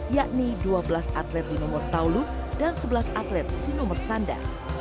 yakni dua belas atlet di nomor taulu dan sebelas atlet di nomor sanda